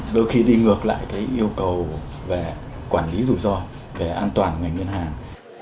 đôi khi đi ngược lại yêu cầu về quản lý rủi ro về an toàn của ngành ngân hàng